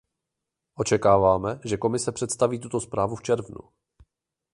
Očekáváme, že Komise představí tuto zprávu v červnu.